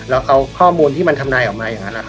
แล้วเอาข้อมูลที่มันทำนายออกมาอย่างนั้น